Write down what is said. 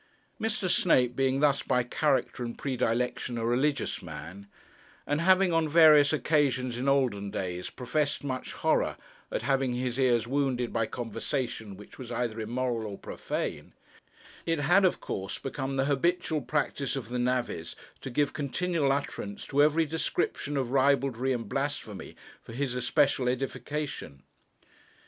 Mr. Snape being thus by character and predilection a religious man, and having on various occasions in olden days professed much horror at having his ears wounded by conversation which was either immoral or profane, it had of course become the habitual practice of the navvies to give continual utterance to every description of ribaldry and blasphemy for his especial edification.